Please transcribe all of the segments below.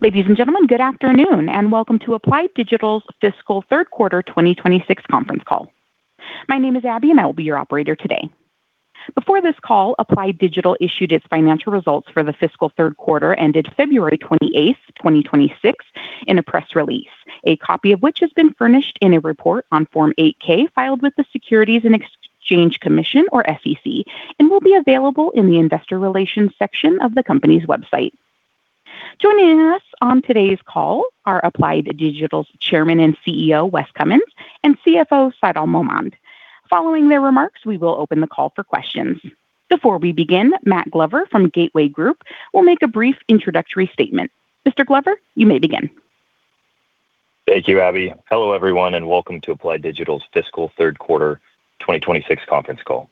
Ladies and gentlemen, good afternoon, and welcome to Applied Digital's fiscal third quarter 2026 conference call. My name is Abby, and I will be your operator today. Before this call, Applied Digital issued its financial results for the fiscal third quarter ended February 28, 2026, in a press release, a copy of which has been furnished in a report on Form 8-K filed with the Securities and Exchange Commission, or SEC, and will be available in the investor relations section of the company's website. Joining us on today's call are Applied Digital's Chairman and CEO, Wes Cummins, and CFO, Saidal Mohmand. Following their remarks, we will open the call for questions. Before we begin, Matt Glover from Gateway Group will make a brief introductory statement. Mr. Glover, you may begin. Thank you, Abby. Hello, everyone, and welcome to Applied Digital's fiscal third quarter 2026 conference call.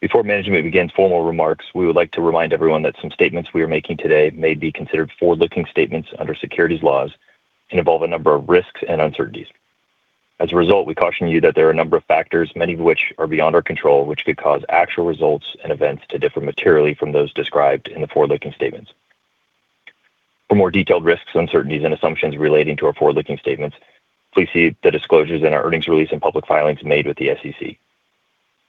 Before management begins formal remarks, we would like to remind everyone that some statements we are making today may be considered forward-looking statements under securities laws and involve a number of risks and uncertainties. As a result, we caution you that there are a number of factors, many of which are beyond our control, which could cause actual results and events to differ materially from those described in the forward-looking statements. For more detailed risks, uncertainties, and assumptions relating to our forward-looking statements, please see the disclosures in our earnings release and public filings made with the SEC.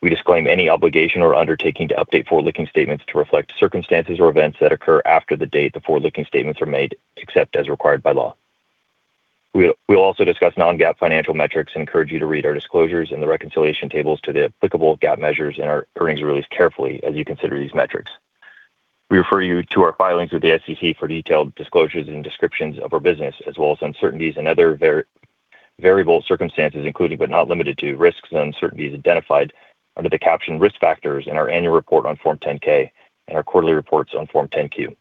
We disclaim any obligation or undertaking to update forward-looking statements to reflect circumstances or events that occur after the date the forward-looking statements are made, except as required by law. We'll also discuss non-GAAP financial metrics and encourage you to read our disclosures and the reconciliation tables to the applicable GAAP measures in our earnings release carefully as you consider these metrics. We refer you to our filings with the SEC for detailed disclosures and descriptions of our business, as well as uncertainties and other variable circumstances, including but not limited to, risks and uncertainties identified under the caption Risk Factors in our annual report on Form 10-K and our quarterly reports on Form 10-Q.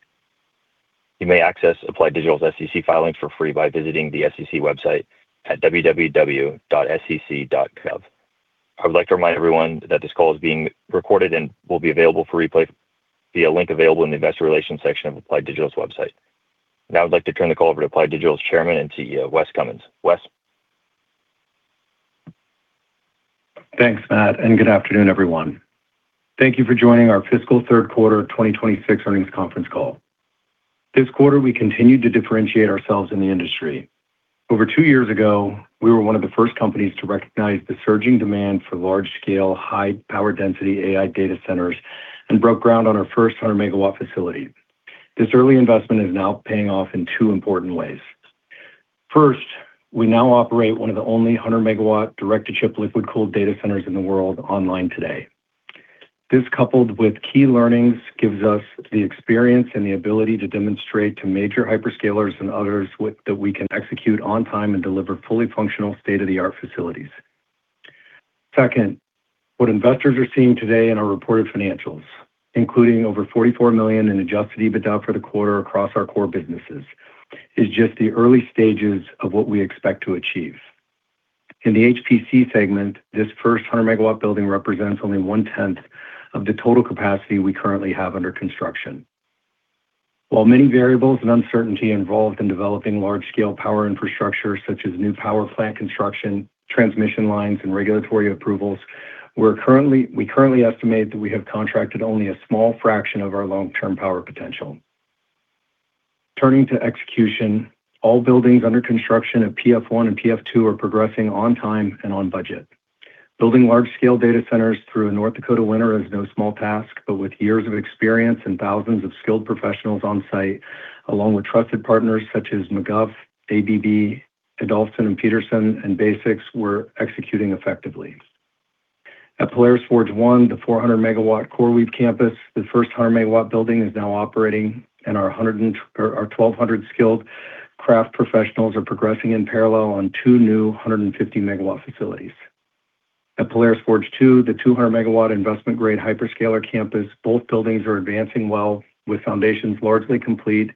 You may access Applied Digital's SEC filings for free by visiting the SEC website at www.sec.gov. I would like to remind everyone that this call is being recorded and will be available for replay via a link available in the investor relations section of Applied Digital's website. Now I'd like to turn the call over to Applied Digital's chairman and CEO, Wes Cummins. Wes? Thanks, Matt, and good afternoon, everyone. Thank you for joining our fiscal third quarter 2026 earnings conference call. This quarter, we continued to differentiate ourselves in the industry. Over two years ago, we were one of the first companies to recognize the surging demand for large-scale, high-power-density AI data centers and broke ground on our first 100 MW facility. This early investment is now paying off in two important ways. First, we now operate one of the only 100 MW direct-to-chip liquid-cooled data centers in the world online today. This, coupled with key learnings, gives us the experience and the ability to demonstrate to major hyperscalers and others that we can execute on time and deliver fully functional state-of-the-art facilities. Second, what investors are seeing today in our reported financials, including over $44 million in adjusted EBITDA for the quarter across our core businesses, is just the early stages of what we expect to achieve. In the HPC segment, this first 100-MW building represents only one-tenth of the total capacity we currently have under construction. While there are many variables and uncertainties involved in developing large-scale power infrastructure, such as new power plant construction, transmission lines, and regulatory approvals, we currently estimate that we have contracted only a small fraction of our long-term power potential. Turning to execution, all buildings under construction of PF1 and PF2 are progressing on time and on budget. Building large-scale data centers through a North Dakota winter is no small task, but with years of experience and thousands of skilled professionals on site, along with trusted partners such as McGough, ABB, Adolphson & Peterson, and Basics, we're executing effectively. At Polaris Forge One, the 400-MW CoreWeave campus, the first 100-MW building is now operating, and our 1,200 skilled craft professionals are progressing in parallel on two new 150-MW facilities. At Polaris Forge Two, the 200-MW investment-grade hyperscaler campus, both buildings are advancing well, with foundations largely complete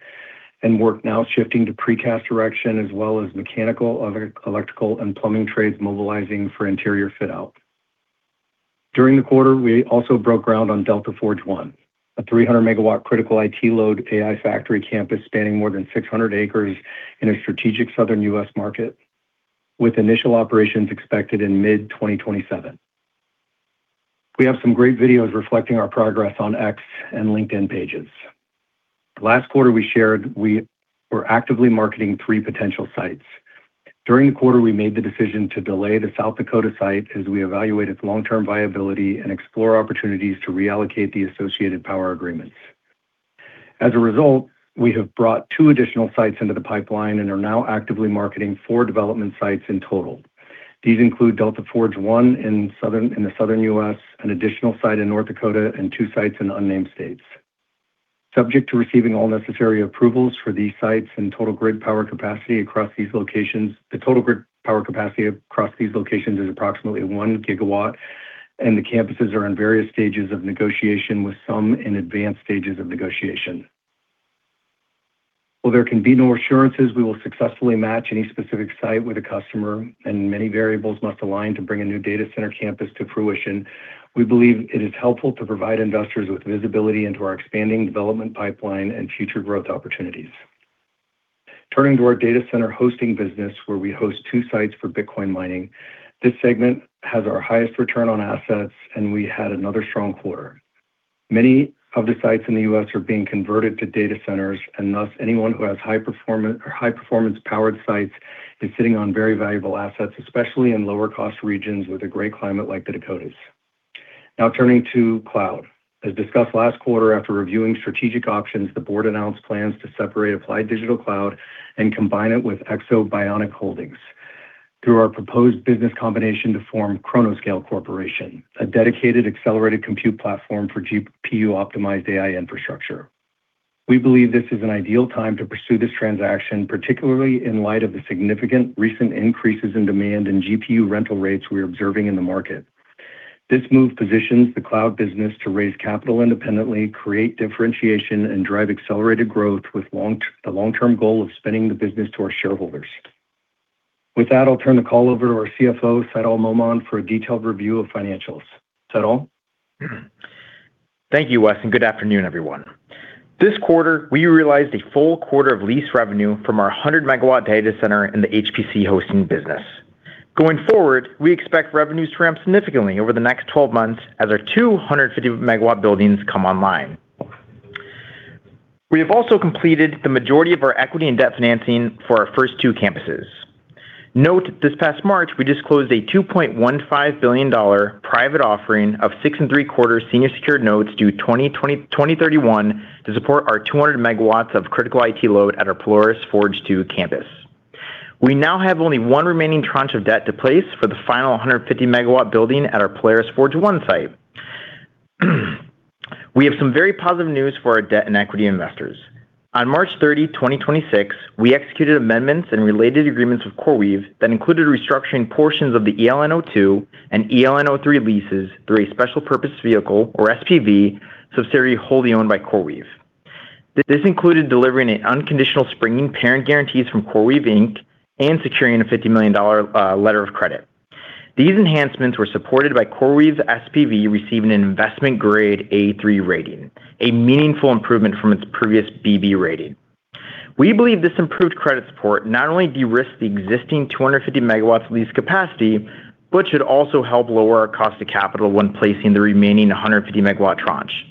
and work now shifting to precast direction as well as mechanical, electrical, and plumbing trades mobilizing for interior fit-out. During the quarter, we also broke ground on Delta Forge One, a 300-MW critical IT load AI factory campus spanning more than 600 acres in a strategic southern U.S. market, with initial operations expected in mid-2027. We have some great videos reflecting our progress on X and LinkedIn pages. Last quarter, we shared we were actively marketing three potential sites. During the quarter, we made the decision to delay the South Dakota site as we evaluate its long-term viability and explore opportunities to reallocate the associated power agreements. As a result, we have brought two additional sites into the pipeline and are now actively marketing four development sites in total. These include Delta Forge One in the southern U.S., an additional site in North Dakota, and two sites in unnamed states. Subject to receiving all necessary approvals for these sites, the total grid power capacity across these locations is approximately 1 GW, and the campuses are in various stages of negotiation, with some in advanced stages of negotiation. While there can be no assurances we will successfully match any specific site with a customer and many variables must align to bring a new data center campus to fruition, we believe it is helpful to provide investors with visibility into our expanding development pipeline and future growth opportunities. Turning to our data center hosting business, where we host two sites for Bitcoin mining. This segment has our highest return on assets, and we had another strong quarter. Many of the sites in the U.S. are being converted to data centers, and thus anyone who has high-performance powered sites is sitting on very valuable assets, especially in lower cost regions with a great climate like the Dakotas. Now turning to cloud. As discussed last quarter, after reviewing strategic options, the board announced plans to separate Applied Digital Cloud and combine it with Ekso Bionics Holdings through our proposed business combination to form Chronos Scale Corporation, a dedicated accelerated compute platform for GPU-optimized AI infrastructure. We believe this is an ideal time to pursue this transaction, particularly in light of the significant recent increases in demand in GPU rental rates we're observing in the market. This move positions the cloud business to raise capital independently, create differentiation, and drive accelerated growth with the long-term goal of spinning the business to our shareholders. With that, I'll turn the call over to our CFO Saidal Mohmand for a detailed review of financials. Saidal? Thank you, Wes, and good afternoon, everyone. This quarter, we realized a full quarter of lease revenue from our 100-MW data center in the HPC hosting business. Going forward, we expect revenues to ramp significantly over the next 12 months as our two 150-MW buildings come online. We have also completed the majority of our equity and debt financing for our first two campuses. Note, this past March, we disclosed a $2.15 billion private offering of six and three-quarter senior secured notes due 2031 to support our 200 MW of critical IT load at our Polaris Forge 2 campus. We now have only one remaining tranche of debt to place for the final 150-MW building at our Polaris Forge 1 site. We have some very positive news for our debt and equity investors. On March 30, 2026, we executed amendments and related agreements with CoreWeave that included restructuring portions of the ELN-02 and ELN-03 leases through a special purpose vehicle, or SPV, subsidiary wholly owned by CoreWeave. This included delivering unconditional springing parent guarantees from CoreWeave Inc and securing a $50 million letter of credit. These enhancements were supported by CoreWeave's SPV receiving an investment grade A3 rating, a meaningful improvement from its previous BB rating. We believe this improved credit support not only de-risks the existing 250 MW of lease capacity, but should also help lower our cost of capital when placing the remaining 150-MW tranche,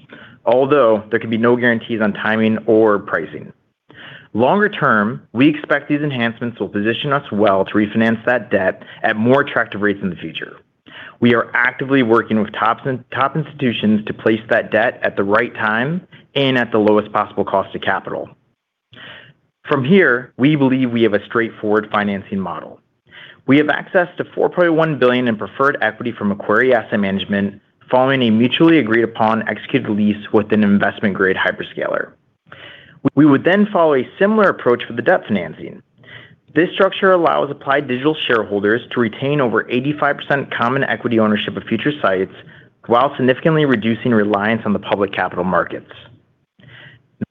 although there can be no guarantees on timing or pricing. Longer term, we expect these enhancements will position us well to refinance that debt at more attractive rates in the future. We are actively working with top institutions to place that debt at the right time and at the lowest possible cost of capital. From here, we believe we have a straightforward financing model. We have access to $4.1 billion in preferred equity from Aquaria Asset Management following a mutually agreed upon executed lease with an investment-grade hyperscaler. We would then follow a similar approach with the debt financing. This structure allows Applied Digital shareholders to retain over 85% common equity ownership of future sites while significantly reducing reliance on the public capital markets.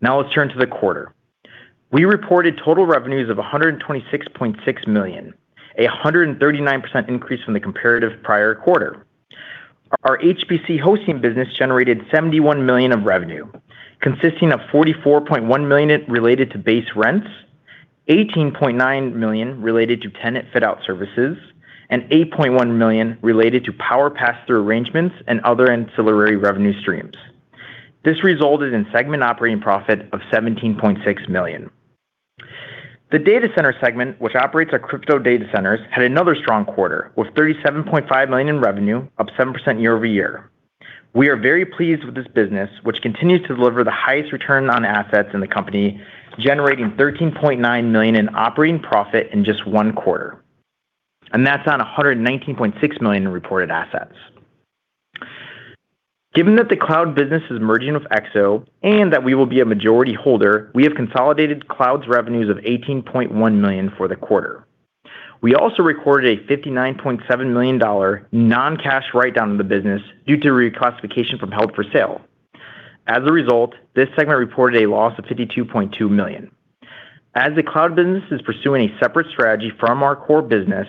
Now let's turn to the quarter. We reported total revenues of $126.6 million, a 139% increase from the comparative prior quarter. Our HPC hosting business generated $71 million of revenue, consisting of $44.1 million related to base rents, $18.9 million related to tenant fit-out services, and $8.1 million related to power pass-through arrangements and other ancillary revenue streams. This resulted in segment operating profit of $17.6 million. The data center segment, which operates our crypto data centers, had another strong quarter with $37.5 million in revenue, up 7% year-over-year. We are very pleased with this business, which continues to deliver the highest return on assets in the company, generating $13.9 million in operating profit in just one quarter. That's on $119.6 million in reported assets. Given that the cloud business is merging with Exo and that we will be a majority holder, we have consolidated cloud's revenues of $18.1 million for the quarter. We also recorded a $59.7 million non-cash write-down of the business due to reclassification from held-for-sale. As a result, this segment reported a loss of $52.2 million. As the cloud business is pursuing a separate strategy from our core business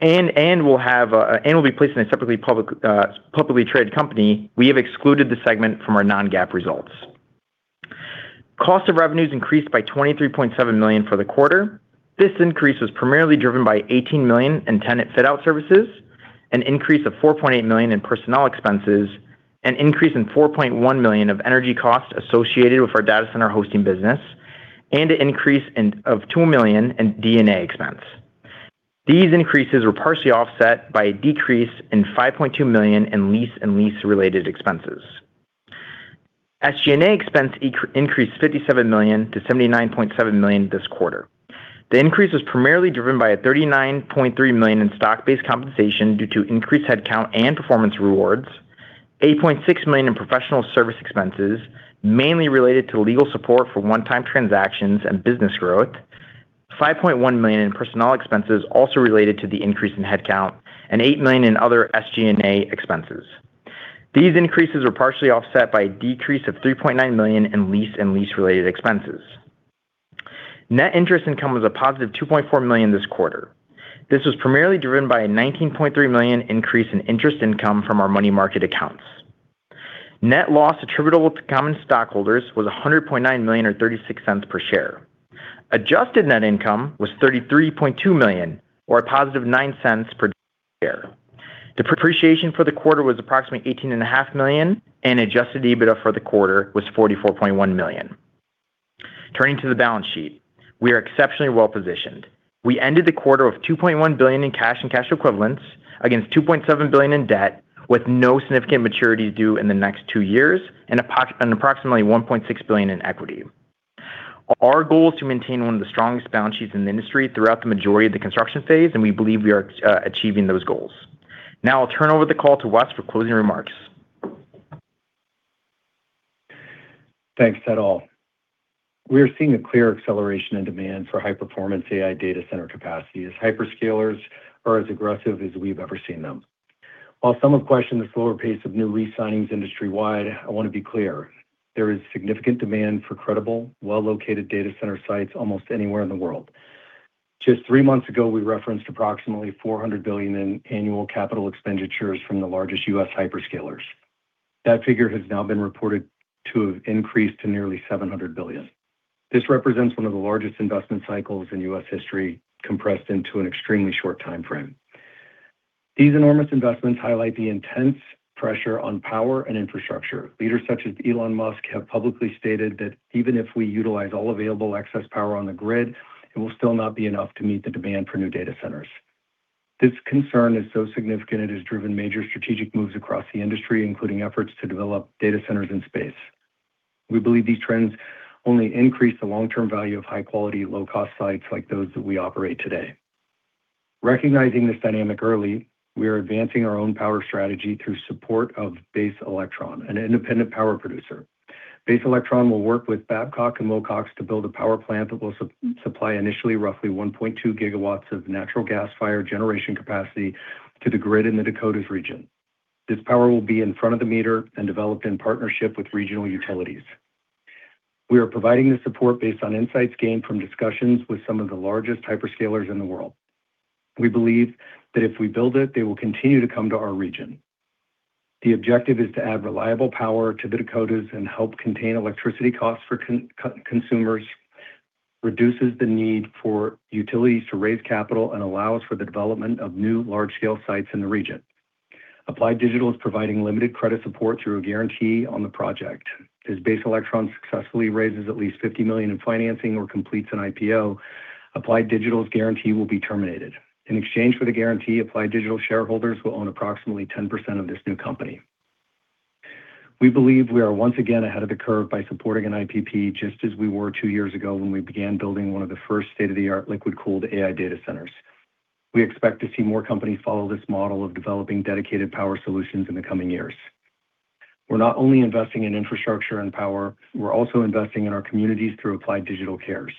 and will be placed in a separately publicly traded company, we have excluded the segment from our non-GAAP results. Cost of revenues increased by $23.7 million for the quarter. This increase was primarily driven by $18 million in tenant fit-out services, an increase of $4.8 million in personnel expenses, an increase in $4.1 million of energy costs associated with our data center hosting business, and an increase of $2 million in D&A expense. These increases were partially offset by a decrease in $5.2 million in lease and lease-related expenses. SG&A expense increased $57 million to $79.7 million this quarter. The increase was primarily driven by a $39.3 million in stock-based compensation due to increased head count and performance rewards, $8.6 million in professional service expenses, mainly related to legal support for one-time transactions and business growth, $5.1 million in personnel expenses also related to the increase in head count, and $8 million in other SG&A expenses. These increases were partially offset by a decrease of $3.9 million in lease and lease-related expenses. Net interest income was a positive $2.4 million this quarter. This was primarily driven by a $19.3 million increase in interest income from our money market accounts. Net loss attributable to common stockholders was $100.9 million, or $0.36 per share. Adjusted net income was $33.2 million or a positive $0.09 per share. The depreciation for the quarter was approximately $18 and a half million, and adjusted EBITDA for the quarter was $44.1 million. Turning to the balance sheet, we are exceptionally well-positioned. We ended the quarter with $2.1 billion in cash and cash equivalents against $2.7 billion in debt, with no significant maturity due in the next two years and approximately $1.6 billion in equity. Our goal is to maintain one of the strongest balance sheets in the industry throughout the majority of the construction phase, and we believe we are achieving those goals. Now I'll turn over the call to Wes for closing remarks. Thanks, Saidal. We are seeing a clear acceleration in demand for high-performance AI data center capacity as hyperscalers are as aggressive as we've ever seen them. While some have questioned the slower pace of new re-signings industry-wide, I want to be clear, there is significant demand for credible, well-located data center sites almost anywhere in the world. Just three months ago, we referenced approximately $400 billion in annual capital expenditures from the largest U.S. hyperscalers. That figure has now been reported to have increased to nearly $700 billion. This represents one of the largest investment cycles in U.S. history, compressed into an extremely short timeframe. These enormous investments highlight the intense pressure on power and infrastructure. Leaders such as Elon Musk have publicly stated that even if we utilize all available excess power on the grid, it will still not be enough to meet the demand for new data centers. This concern is so significant it has driven major strategic moves across the industry, including efforts to develop data centers in space. We believe these trends only increase the long-term value of high-quality, low-cost sites like those that we operate today. Recognizing this dynamic early, we are advancing our own power strategy through support of Base Electron, an independent power producer. Base Electron will work with Babcock & Wilcox to build a power plant that will supply initially roughly 1.2 GW of natural gas-fired generation capacity to the grid in the Dakotas region. This power will be in front of the meter and developed in partnership with regional utilities. We are providing the support based on insights gained from discussions with some of the largest hyperscalers in the world. We believe that if we build it, they will continue to come to our region. The objective is to add reliable power to the Dakotas and help contain electricity costs for consumers, reduces the need for utilities to raise capital, and allows for the development of new large-scale sites in the region. Applied Digital is providing limited credit support through a guarantee on the project. As Base Electron successfully raises at least $50 million in financing or completes an IPO, Applied Digital's guarantee will be terminated. In exchange for the guarantee, Applied Digital shareholders will own approximately 10% of this new company. We believe we are once again ahead of the curve by supporting an IPP just as we were two years ago when we began building one of the first state-of-the-art liquid-cooled AI data centers. We expect to see more companies follow this model of developing dedicated power solutions in the coming years. We're not only investing in infrastructure and power, we're also investing in our communities through Applied Digital Cares,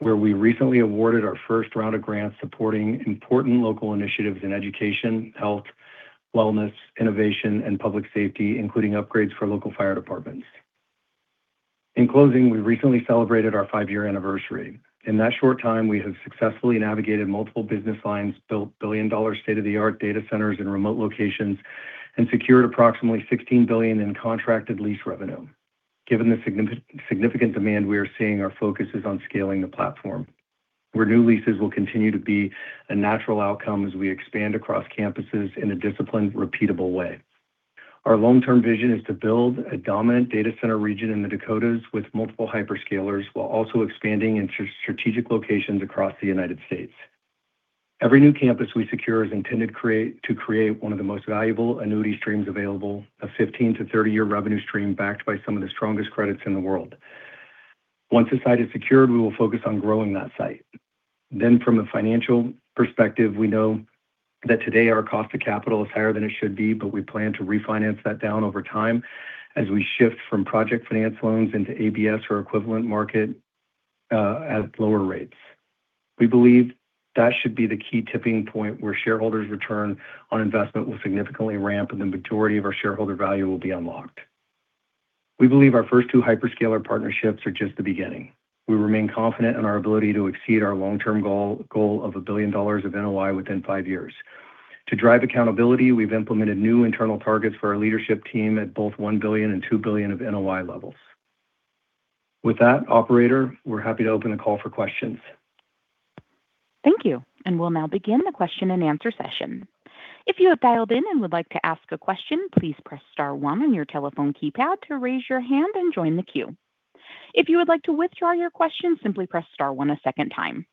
where we recently awarded our first round of grants supporting important local initiatives in education, health, wellness, innovation, and public safety, including upgrades for local fire departments. In closing, we recently celebrated our five-year anniversary. In that short time, we have successfully navigated multiple business lines, built billion-dollar state-of-the-art data centers in remote locations, and secured approximately $16 billion in contracted lease revenue. Given the significant demand we are seeing, our focus is on scaling the platform, where new leases will continue to be a natural outcome as we expand across campuses in a disciplined, repeatable way. Our long-term vision is to build a dominant data center region in the Dakotas with multiple hyperscalers while also expanding into strategic locations across the United States. Every new campus we secure is intended to create one of the most valuable annuity streams available, a 15-30-year revenue stream backed by some of the strongest credits in the world. Once a site is secured, we will focus on growing that site. From a financial perspective, we know that today our cost of capital is higher than it should be, but we plan to refinance that down over time as we shift from project finance loans into ABS or equivalent market at lower rates. We believe that should be the key tipping point where shareholders' return on investment will significantly ramp and the majority of our shareholder value will be unlocked. We believe our first two hyperscaler partnerships are just the beginning. We remain confident in our ability to exceed our long-term goal of $1 billion of NOI within five years. To drive accountability, we've implemented new internal targets for our leadership team at both $1 billion and $2 billion of NOI levels. With that, operator, we're happy to open the call for questions. Thank you, and we'll now begin the question and answer session. If you have dialed in and would like to ask a question, please press star one on your telephone keypad to raise your hand and join the queue. If you would like to withdraw your question, simply press star one a second time.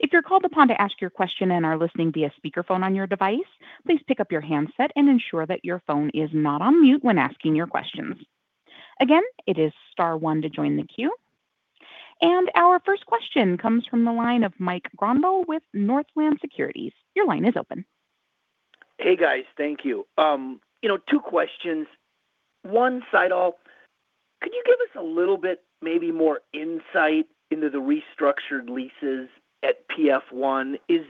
If you're called upon to ask your question and are listening via speakerphone on your device, please pick up your handset and ensure that your phone is not on mute when asking your questions. Again, it is star one to join the queue. Our first question comes from the line of Mike Grondahl with Northland Securities. Your line is open. Hey, guys. Thank you. Two questions. One, Saidal, could you give us a little bit, maybe more insight into the restructured leases at PF1? If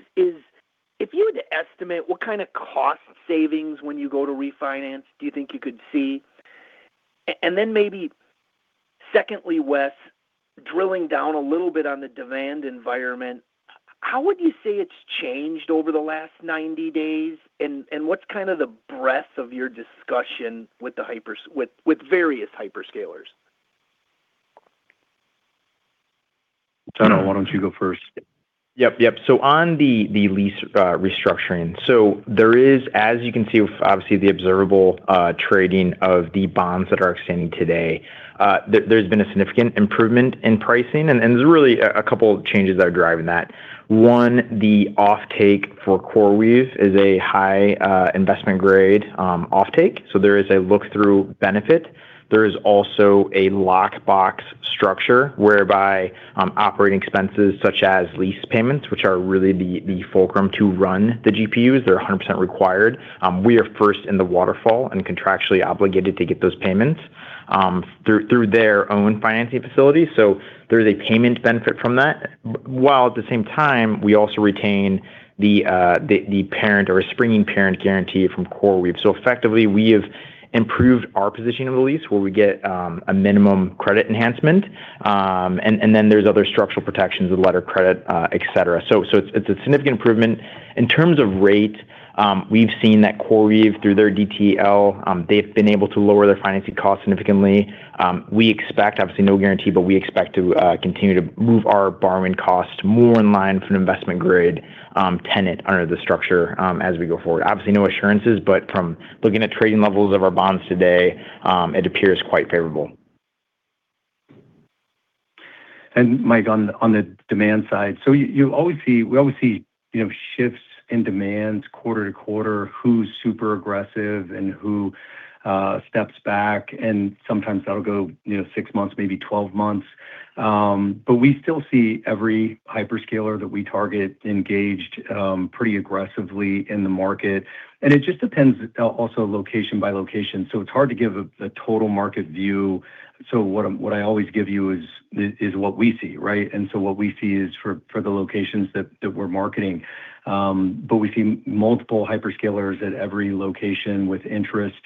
you had to estimate what kind of cost savings when you go to refinance do you think you could see? Maybe secondly, Wes, drilling down a little bit on the demand environment. How would you say it's changed over the last 90 days, and what's kind of the breadth of your discussion with various hyperscalers? Saidal, why don't you go first? Yep. On the lease restructuring, there is, as you can see with obviously the observable trading of the bonds that are outstanding today, there's been a significant improvement in pricing, and there's really a couple of changes that are driving that. One, the offtake for CoreWeave is a high investment grade offtake, so there is a look-through benefit. There is also a lock box structure whereby operating expenses such as lease payments, which are really the fulcrum to run the GPUs, they're 100% required. We are first in the waterfall and contractually obligated to get those payments through their own financing facility. There is a payment benefit from that, while at the same time, we also retain the parent or a springing parent guarantee from CoreWeave. Effectively, we have improved our position in the lease where we get a minimum credit enhancement, and then there's other structural protections with letter of credit, et cetera. It's a significant improvement. In terms of rate, we've seen that CoreWeave through their DTL, they've been able to lower their financing cost significantly. Obviously no guarantee, but we expect to continue to move our borrowing cost more in line for an investment grade tenant under the structure as we go forward. Obviously, no assurances, but from looking at trading levels of our bonds today, it appears quite favorable. Mike, on the demand side, so we always see shifts in demands quarter to quarter, who's super aggressive and who steps back, and sometimes that'll go six months, maybe 12 months. We still see every hyperscaler that we target engaged pretty aggressively in the market. It just depends also location by location, so it's hard to give a total market view. What I always give you is what we see, right? What we see is for the locations that we're marketing. We see multiple hyperscalers at every location with interest.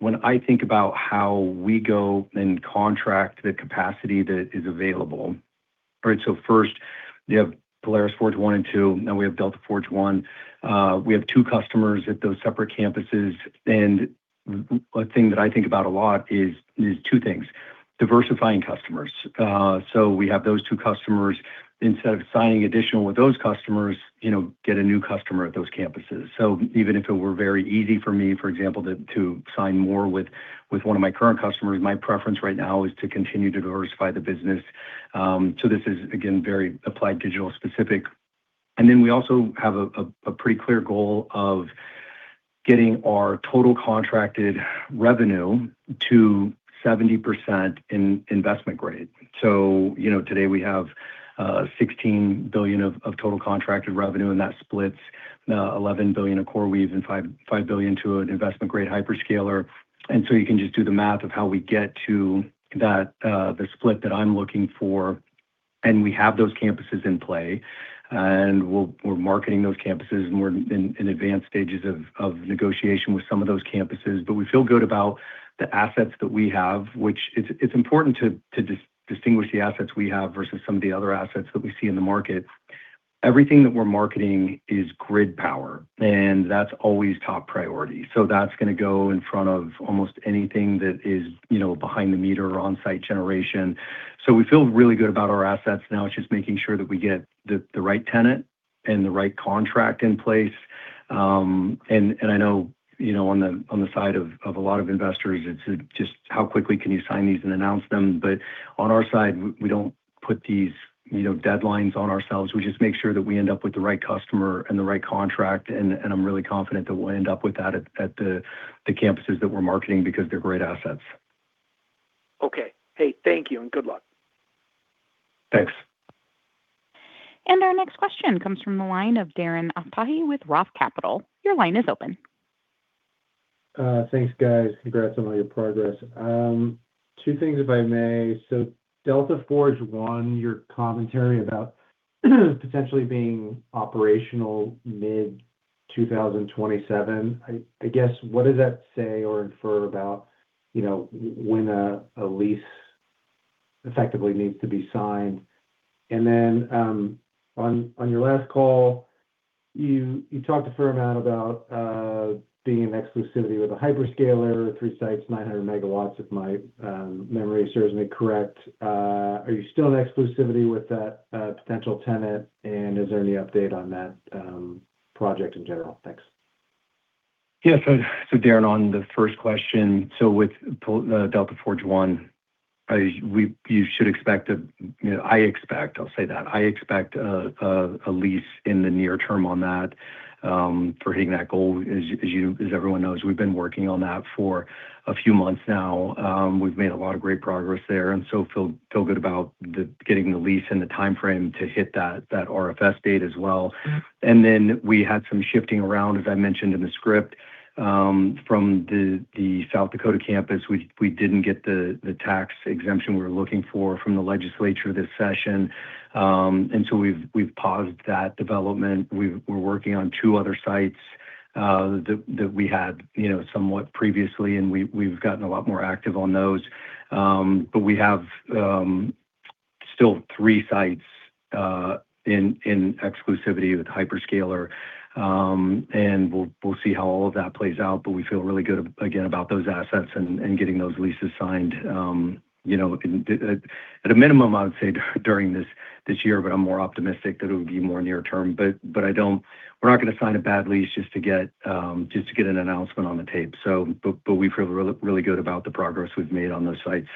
When I think about how we go and contract the capacity that is available, right? First you have Polaris Forge I and II, now we have Delta Forge I. We have two customers at those separate campuses. A thing that I think about a lot is two things, diversifying customers. We have those two customers. Instead of signing additional with those customers, get a new customer at those campuses. Even if it were very easy for me, for example, to sign more with one of my current customers, my preference right now is to continue to diversify the business. This is, again, very Applied Digital specific. We also have a pretty clear goal of getting our total contracted revenue to 70% in investment grade. Today we have $16 billion of total contracted revenue, and that splits $11 billion of CoreWeave and $5 billion to an investment grade hyperscaler. You can just do the math of how we get to the split that I'm looking for, and we have those campuses in play. We're marketing those campuses, and we're in advanced stages of negotiation with some of those campuses. We feel good about the assets that we have, which it's important to distinguish the assets we have versus some of the other assets that we see in the market. Everything that we're marketing is grid power, and that's always top priority. That's going to go in front of almost anything that is behind the meter or onsite generation. We feel really good about our assets now. It's just making sure that we get the right tenant and the right contract in place. I know on the side of a lot of investors, it's just how quickly can you sign these and announce them. On our side, we don't put these deadlines on ourselves. We just make sure that we end up with the right customer and the right contract. I'm really confident that we'll end up with that at the campuses that we're marketing because they're great assets. Okay. Hey, thank you, and good luck. Thanks. Our next question comes from the line of Darren Aftahi with Roth Capital. Your line is open. Thanks, guys. Congrats on all your progress. Two things, if I may. Delta Forge I, your commentary about potentially being operational mid-2027. I guess, what does that say or infer about when a lease effectively needs to be signed? And then on your last call, you talked a fair amount about being in exclusivity with a hyperscaler, three sites, 900 MW, if my memory serves me correct. Are you still in exclusivity with that potential tenant, and is there any update on that project in general? Thanks. Yeah. Darren, on the first question, so with Delta Forge I'll say that I expect a lease in the near term on that for hitting that goal. As everyone knows, we've been working on that for a few months now. We've made a lot of great progress there, and so feel good about getting the lease and the timeframe to hit that RFS date as well. We had some shifting around, as I mentioned in the script, from the South Dakota campus. We didn't get the tax exemption we were looking for from the legislature this session, and so we've paused that development. We're working on two other sites that we had somewhat previously, and we've gotten a lot more active on those. We have still three sites in exclusivity with Hyperscaler, and we'll see how all of that plays out. We feel really good, again, about those assets and getting those leases signed. At a minimum, I would say during this year, but I'm more optimistic that it would be more near term. We're not going to sign a bad lease just to get an announcement on the tape. We feel really good about the progress we've made on those sites.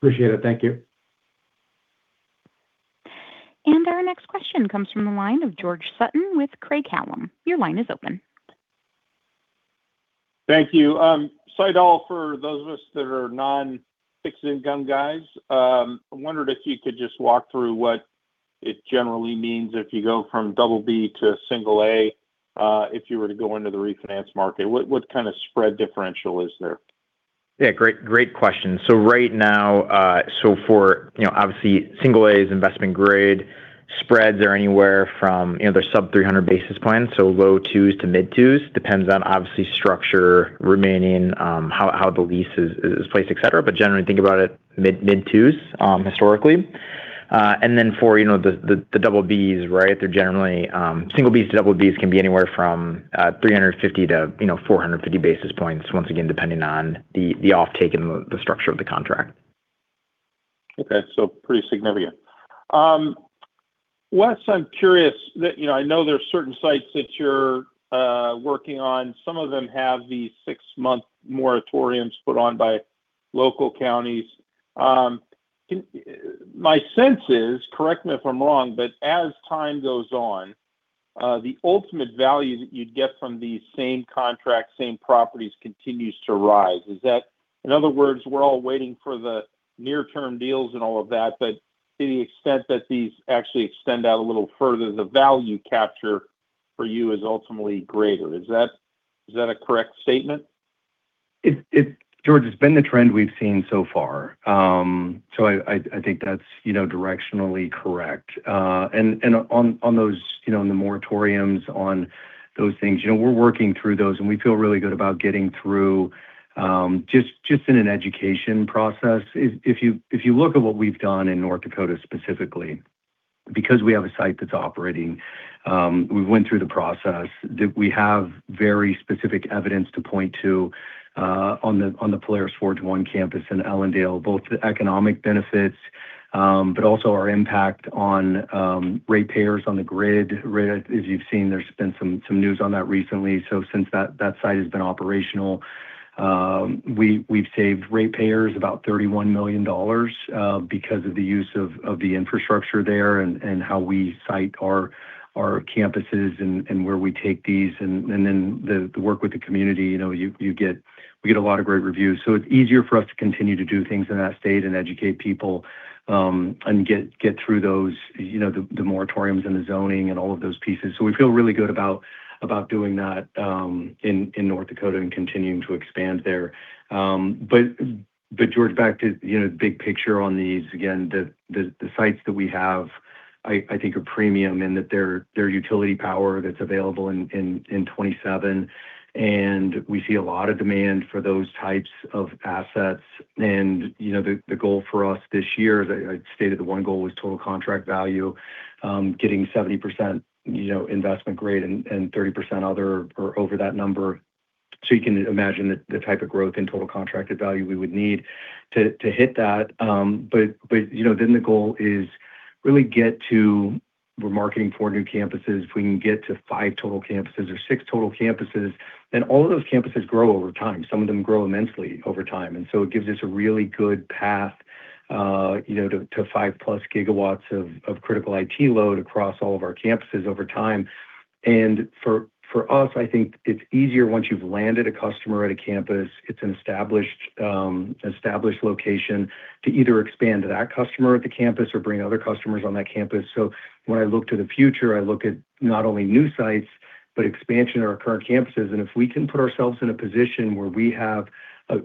Appreciate it. Thank you. Our next question comes from the line of George Sutton with Craig-Hallum. Your line is open. Thank you. Saidal, for those of us that are non-fixed income guys, I wondered if you could just walk through what it generally means if you go from double B to single A, if you were to go into the refinance market. What kind of spread differential is there? Yeah. Great question. Right now, for, obviously, single A is investment grade. Spreads are anywhere from sub 300 basis points, so low twos to mid twos. Depends on, obviously, structure remaining, how the lease is placed, et cetera. Generally think about it mid twos, historically. Then for the double Bs, right? Single Bs to double Bs can be anywhere from 350-450 basis points, once again, depending on the offtake and the structure of the contract. Okay. Pretty significant. Wes, I'm curious, I know there are certain sites that you're working on. Some of them have these six-month moratoriums put on by local counties. My sense is, correct me if I'm wrong, but as time goes on, the ultimate value that you'd get from these same contracts, same properties, continues to rise. In other words, we're all waiting for the near-term deals and all of that. But to the extent that these actually extend out a little further, the value capture for you is ultimately greater. Is that a correct statement? George, it's been the trend we've seen so far. I think that's directionally correct. On the moratoriums on those things, we're working through those, and we feel really good about getting through, just in an education process. If you look at what we've done in North Dakota specifically, because we have a site that's operating, we went through the process, that we have very specific evidence to point to on the Polaris Forge one campus in Ellendale, both the economic benefits, but also our impact on rate payers on the grid. As you've seen, there's been some news on that recently. Since that site has been operational, we've saved rate payers about $31 million because of the use of the infrastructure there and how we site our campuses and where we take these and then the work with the community. We get a lot of great reviews. It's easier for us to continue to do things in that state and educate people, and get through the moratoriums and the zoning and all of those pieces. We feel really good about doing that in North Dakota and continuing to expand there. George, back to the big picture on these, again, the sites that we have, I think are premium in that they're utility power that's available in 2027, and we see a lot of demand for those types of assets. The goal for us this year, as I stated, the one goal was total contract value, getting 70% investment grade and 30% other or over that number. You can imagine the type of growth in total contracted value we would need to hit that. Then the goal is really get to where we're marketing four new campuses. If we can get to five total campuses or six total campuses, then all of those campuses grow over time. Some of them grow immensely over time. It gives us a really good path to 5+ GW of critical IT load across all of our campuses over time. For us, I think it's easier once you've landed a customer at a campus. It's an established location to either expand that customer at the campus or bring other customers on that campus. When I look to the future, I look at not only new sites, but expansion of our current campuses. If we can put ourselves in a position where we have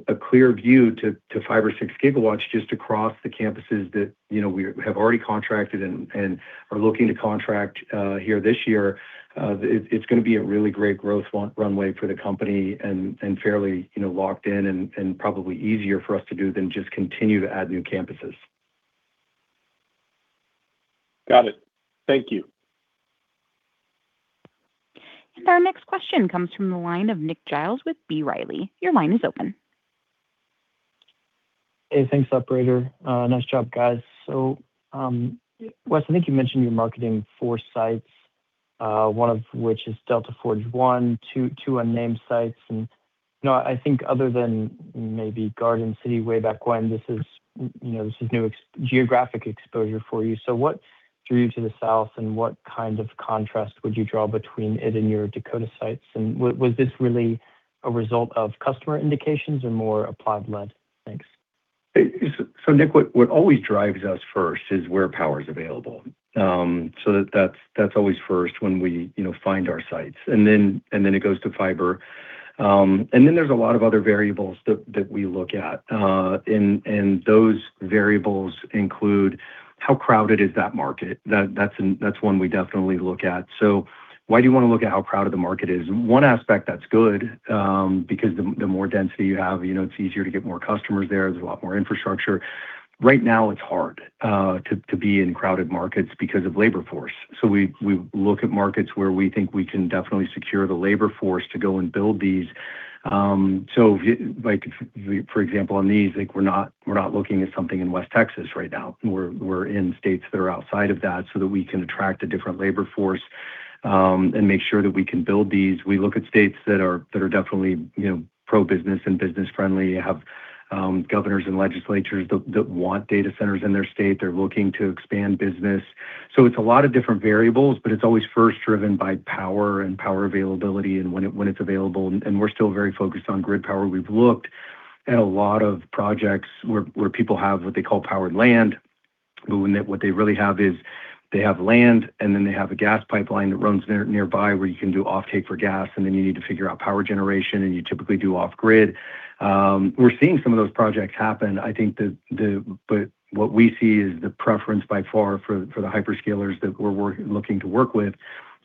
a clear view to 5 or 6 GW just across the campuses that we have already contracted and are looking to contract here this year, it's going to be a really great growth runway for the company and fairly locked in and probably easier for us to do than just continue to add new campuses. Got it. Thank you. Our next question comes from the line of Nick Giles with B. Riley. Your line is open. Hey, thanks operator. Nice job, guys. Wes, I think you mentioned you're marketing four sites, one of which is Delta Forge I, two unnamed sites, and I think other than maybe Garden City way back when, this is new geographic exposure for you. What drew you to the South, and what kind of contrast would you draw between it and your Dakota sites? Was this really a result of customer indications or more Applied-led? Thanks. Nick, what always drives us first is where power is available. That's always first when we find our sites. It goes to fiber. There's a lot of other variables that we look at. Those variables include how crowded is that market? That's one we definitely look at. Why do you want to look at how crowded the market is? One aspect that's good, because the more density you have, it's easier to get more customers there. There's a lot more infrastructure. Right now it's hard to be in crowded markets because of labor force. We look at markets where we think we can definitely secure the labor force to go and build these. For example, on these, we're not looking at something in West Texas right now. We're in states that are outside of that so that we can attract a different labor force, and make sure that we can build these. We look at states that are definitely pro-business and business friendly, have governors and legislatures that want data centers in their state. They're looking to expand business. It's a lot of different variables, but it's always first driven by power and power availability and when it's available, and we're still very focused on grid power. We've looked at a lot of projects where people have what they call powered land, but what they really have is they have land, and then they have a gas pipeline that runs nearby where you can do offtake for gas, and then you need to figure out power generation, and you typically do off grid. We're seeing some of those projects happen. I think what we see is the preference by far for the hyperscalers that we're looking to work with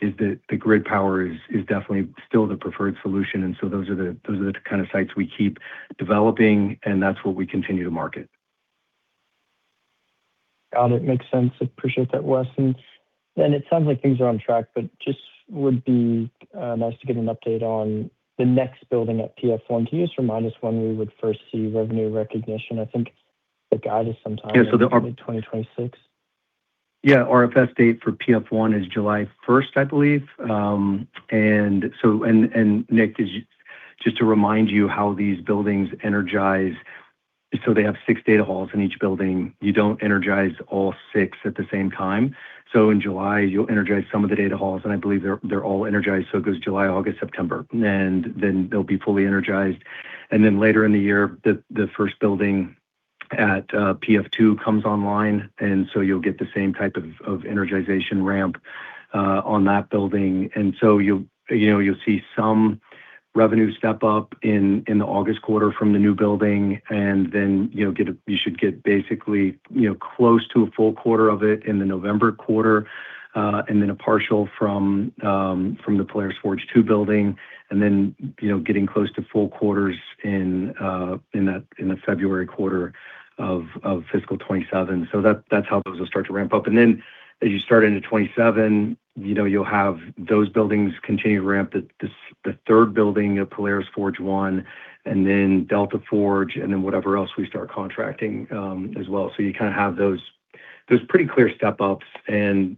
is that the grid power is definitely still the preferred solution. Those are the kind of sites we keep developing, and that's what we continue to market. Got it. Makes sense. Appreciate that, Wes. It sounds like things are on track, but just would be nice to get an update on the next building at PF1. Can you just remind us when we would first see revenue recognition? I think the guide is sometime. Yeah. Early 2026. Yeah. Our FS date for PF1 is July 1, I believe. Nick, just to remind you how these buildings energize. They have six data halls in each building. You don't energize all six at the same time. In July, you'll energize some of the data halls, and I believe they're all energized. It goes July, August, September. Then they'll be fully energized. Later in the year, the first building at PF2 comes online. You'll get the same type of energization ramp on that building. You'll see some revenue step up in the August quarter from the new building, and then you should get basically close to a full quarter of it in the November quarter, and then a partial from the Polaris Forge 2 building, and then getting close to full quarters in the February quarter of fiscal 2027. That's how those will start to ramp up. As you start into 2027, you'll have those buildings continue to ramp, the third building of Polaris Forge 1, and then Delta Forge, and then whatever else we start contracting as well. You kind of have those pretty clear step ups. I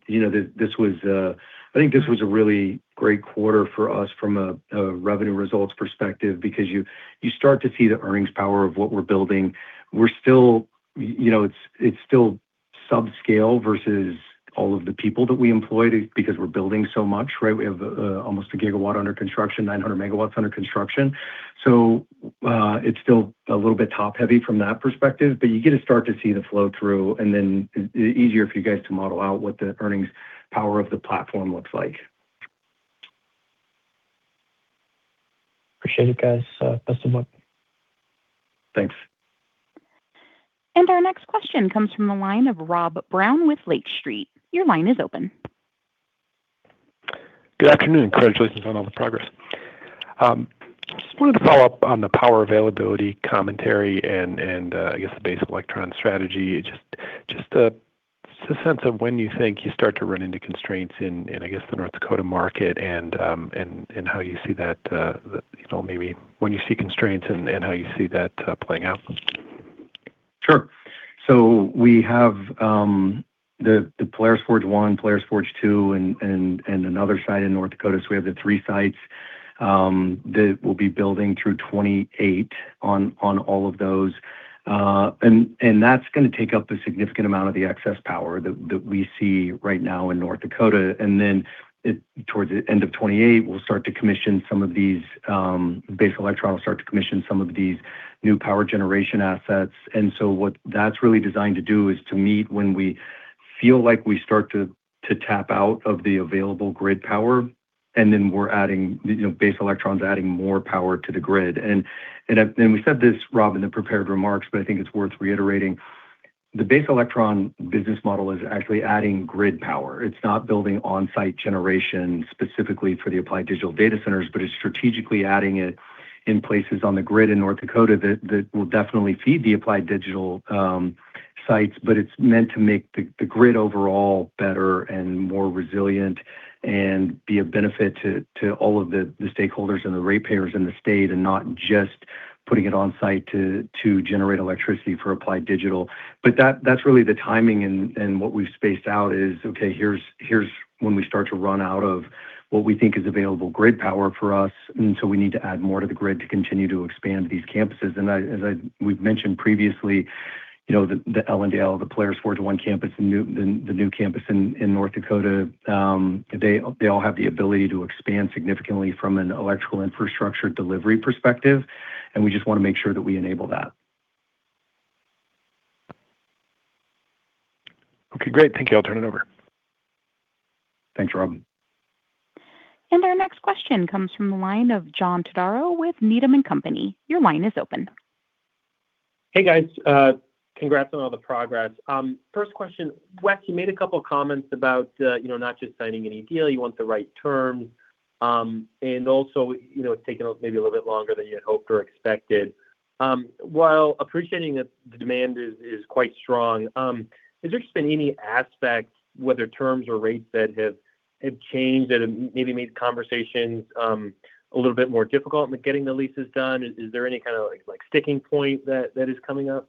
think this was a really great quarter for us from a revenue results perspective, because you start to see the earnings power of what we're building. It's still subscale versus all of the people that we employ because we're building so much, right? We have almost a GW under construction, 900 MW under construction. It's still a little bit top heavy from that perspective, but you get to start to see the flow through, and then it's easier for you guys to model out what the earnings power of the platform looks like. Appreciate it, guys. Best of luck. Thanks. Our next question comes from the line of Rob Brown with Lake Street. Your line is open. Good afternoon. Congratulations on all the progress. Just wanted to follow up on the power availability commentary and, I guess the Base Electron strategy. Just a sense of when you think you start to run into constraints in, I guess the North Dakota market, and how you see that, maybe when you see constraints and how you see that playing out. Sure. We have the Polaris Forge 1, Polaris Forge 2, and another site in North Dakota. We have the three sites that we'll be building through 2028 on all of those. That's going to take up a significant amount of the excess power that we see right now in North Dakota. Then towards the end of 2028, we'll start to commission some of these. Base Electron will start to commission some of these new power generation assets. What that's really designed to do is to meet when we feel like we start to tap out of the available grid power, and then Base Electron's adding more power to the grid. We said this, Rob, in the prepared remarks, but I think it's worth reiterating. The Base Electron business model is actually adding grid power. It's not building on-site generation specifically for the Applied Digital data centers, but it's strategically adding it in places on the grid in North Dakota that will definitely feed the Applied Digital sites, but it's meant to make the grid overall better and more resilient and be a benefit to all of the stakeholders and the ratepayers in the state, and not just putting it on site to generate electricity for Applied Digital. That's really the timing and what we've spaced out is, okay, here's when we start to run out of what we think is available grid power for us, and so we need to add more to the grid to continue to expand these campuses. As we've mentioned previously, the Ellendale, the Polaris Forge 1 campus, and the new campus in North Dakota, they all have the ability to expand significantly from an electrical infrastructure delivery perspective, and we just want to make sure that we enable that. Okay, great. Thank you. I'll turn it over. Thanks, Robin. Our next question comes from the line of John Todaro with Needham & Company. Your line is open. Hey, guys. Congrats on all the progress. First question. Wes, you made a couple comments about not just signing any deal, you want the right terms. It's taken maybe a little bit longer than you had hoped or expected. While appreciating that the demand is quite strong, has there just been any aspects, whether terms or rates, that have changed that have maybe made the conversations a little bit more difficult in the getting the leases done? Is there any kind of sticking point that is coming up?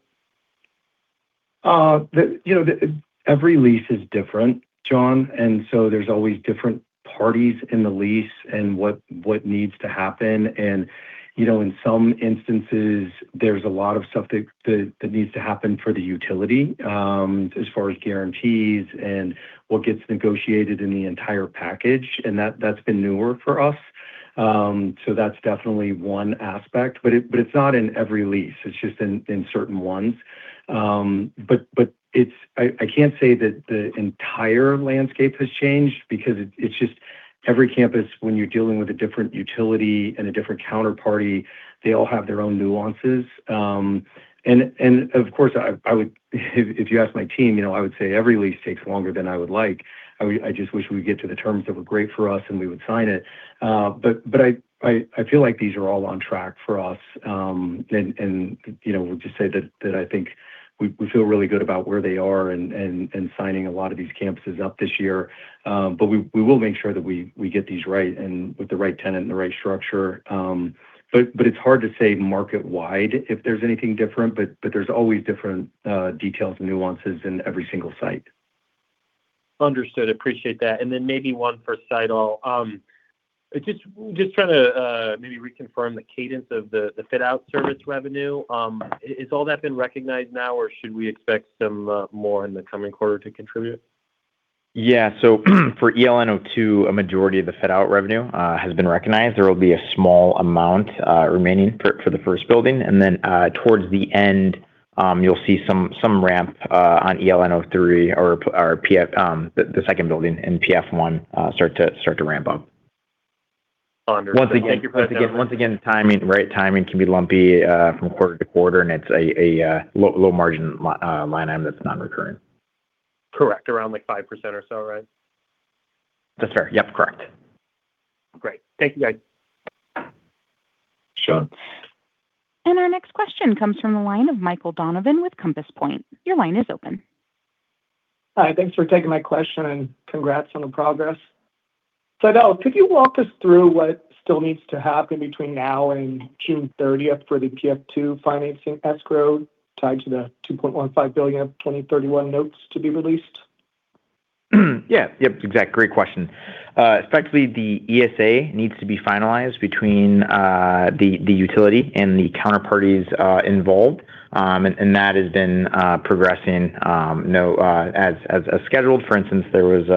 Every lease is different, John, and so there's always different parties in the lease and what needs to happen. In some instances, there's a lot of stuff that needs to happen for the utility, as far as guarantees and what gets negotiated in the entire package. That's been newer for us. That's definitely one aspect. It's not in every lease. It's just in certain ones. I can't say that the entire landscape has changed because it's just every campus, when you're dealing with a different utility and a different counterparty, they all have their own nuances. Of course, if you ask my team, I would say every lease takes longer than I would like. I just wish we'd get to the terms that were great for us, and we would sign it. I feel like these are all on track for us. We'll just say that I think we feel really good about where they are and signing a lot of these campuses up this year. We will make sure that we get these right and with the right tenant and the right structure. It's hard to say market-wide if there's anything different, but there's always different details and nuances in every single site. Understood. Appreciate that. Maybe one for Saidal. Just trying to maybe reconfirm the cadence of the fit-out service revenue. Has all that been recognized now, or should we expect some more in the coming quarter to contribute? Yeah. For ELN-02, a majority of the fit-out revenue has been recognized. There will be a small amount remaining for the first building, and then towards the end, you'll see some ramp on ELN-03 or the second building in PF-1 start to ramp up. Understood. Thank you for that. Once again, timing, right timing can be lumpy from quarter to quarter, and it's a low margin line item that's non-recurring. Correct. Around 5% or so, right? That's right. Yep, correct. Great. Thank you, guys. Sure. Our next question comes from the line of Michael Donovan with Compass Point. Your line is open. Hi, thanks for taking my question, and congrats on the progress. Saidall, could you walk us through what still needs to happen between now and June 30 for the PF-2 financing escrow tied to the $2.15 billion of 2031 notes to be released? Yeah. Exactly. Great question. Effectively, the ESA needs to be finalized between the utility and the counterparties involved, and that has been progressing as scheduled. For instance, there was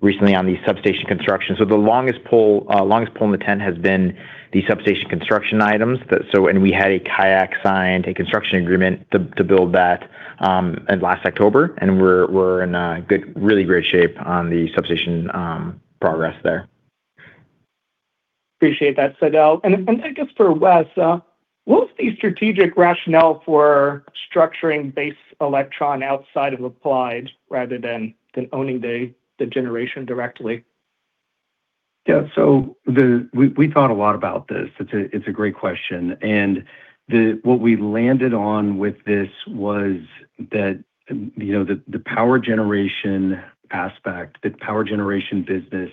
recently on the substation construction. The longest pole in the tent has been the substation construction items. We had a CIAC signed, a construction agreement to build that last October, and we're in really great shape on the substation progress there. Appreciate that, Saidal. I guess for Wes, what was the strategic rationale for structuring Base Electron outside of Applied rather than owning the generation directly? Yeah. We thought a lot about this. It's a great question. What we landed on with this was that the power generation aspect, the power generation business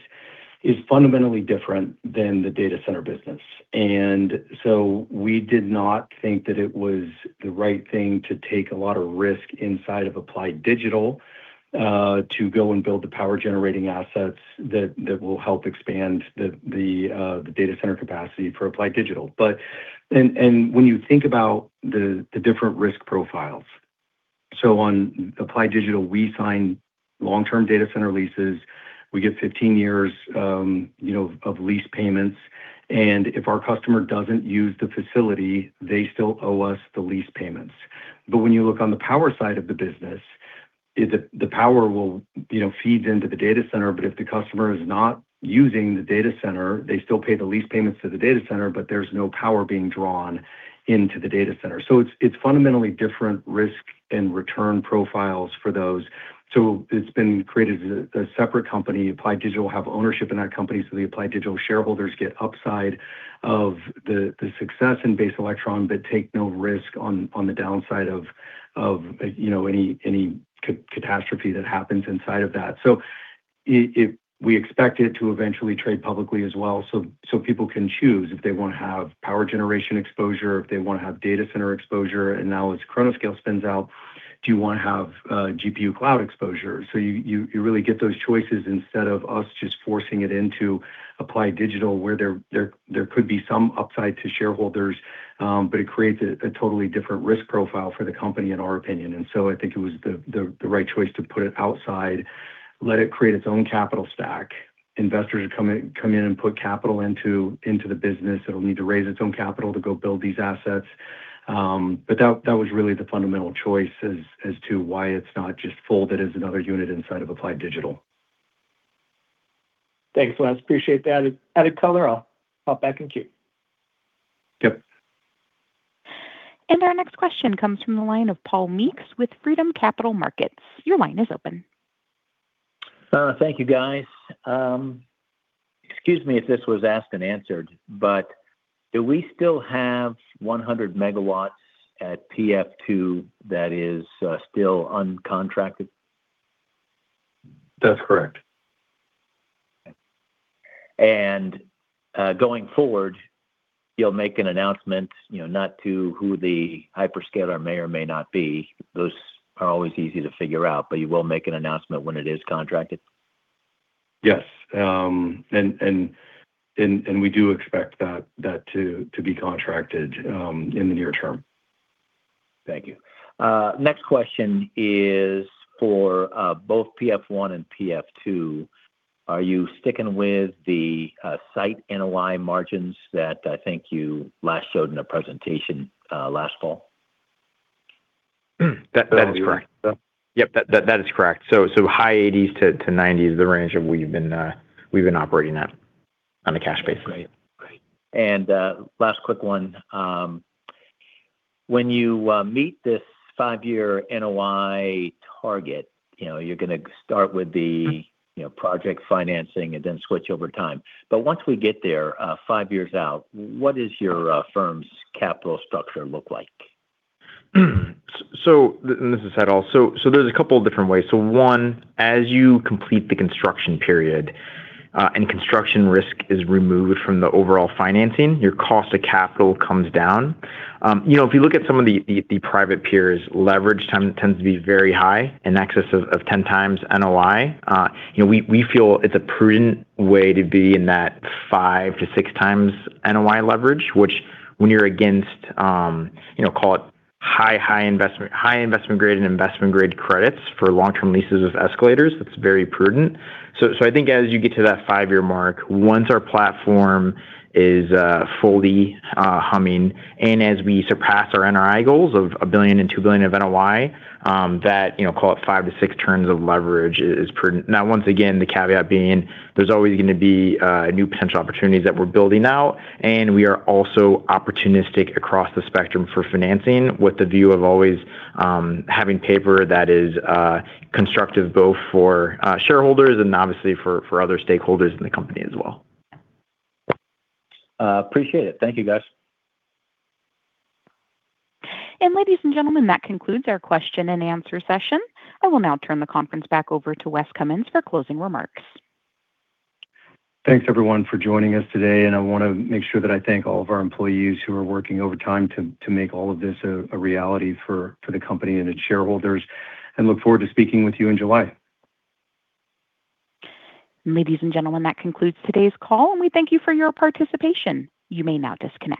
is fundamentally different than the data center business. We did not think that it was the right thing to take a lot of risk inside of Applied Digital to go and build the power generating assets that will help expand the data center capacity for Applied Digital. When you think about the different risk profiles, so on Applied Digital, we sign long-term data center leases, we get 15 years of lease payments, and if our customer doesn't use the facility, they still owe us the lease payments. When you look on the power side of the business, the power feeds into the data center, but if the customer is not using the data center, they still pay the lease payments to the data center, but there's no power being drawn into the data center. It's fundamentally different risk and return profiles for those. It's been created as a separate company. Applied Digital will have ownership in that company, so the Applied Digital shareholders get upside of the success in Base Electron, but take no risk on the downside of any catastrophe that happens inside of that. We expect it to eventually trade publicly as well, so people can choose if they want to have power generation exposure, if they want to have data center exposure. Now as ChronoScale spins out, do you want to have GPU cloud exposure? You really get those choices instead of us just forcing it into Applied Digital, where there could be some upside to shareholders, but it creates a totally different risk profile for the company, in our opinion. I think it was the right choice to put it outside. Let it create its own capital stack. Investors would come in and put capital into the business. It'll need to raise its own capital to go build these assets. That was really the fundamental choice as to why it's not just folded as another unit inside of Applied Digital. Thanks, Wes. Appreciate the added color. I'll hop back in queue. Yep. Our next question comes from the line of Paul Meeks with Freedom Capital Markets. Your line is open. Thank you, guys. Excuse me if this was asked and answered, but do we still have 100 MW at PF2 that is still uncontracted? That's correct. Going forward, you'll make an announcement, not to who the hyperscaler may or may not be, those are always easy to figure out, but you will make an announcement when it is contracted? Yes. We do expect that to be contracted in the near term. Thank you. Next question is for both PF1 and PF2. Are you sticking with the site NOI margins that I think you last showed in a presentation last fall? That is correct. Yep, that is correct. High 80s-90s is the range that we've been operating at on a cash basis. Great. Last quick one. When you meet this five-year NOI target, you're going to start with the project financing and then switch over time. Once we get there, five years out, what does your firm's capital structure look like? This is Saidal. There's a couple different ways. One, as you complete the construction period, and construction risk is removed from the overall financing, your cost of capital comes down. If you look at some of the private peers, leverage tends to be very high, in excess of 10x NOI. We feel it's a prudent way to be in that 5x-6x NOI leverage, which when you're against, call it high-investment-grade and investment-grade credits for long-term leases with escalators, it's very prudent. I think as you get to that 5-year mark, once our platform is fully humming and as we surpass our NOI goals of $1 billion and $2 billion of NOI, that, call it 5-6 turns of leverage is prudent. Now, once again, the caveat being, there's always going to be new potential opportunities that we're building out, and we are also opportunistic across the spectrum for financing with the view of always having paper that is constructive both for shareholders and obviously for other stakeholders in the company as well. appreciate it. Thank you, guys. Ladies and gentlemen, that concludes our question and answer session. I will now turn the conference back over to Wes Cummins for closing remarks. Thanks, everyone, for joining us today, and I want to make sure that I thank all of our employees who are working overtime to make all of this a reality for the company and its shareholders, and look forward to speaking with you in July. Ladies and gentlemen, that concludes today's call, and we thank you for your participation. You may now disconnect.